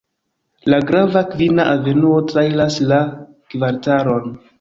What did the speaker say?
La grava Kvina Avenuo trairas la kvartalon.